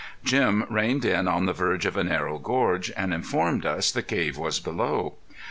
Jim reined in on the verge of a narrow gorge, and informed us the cave was below.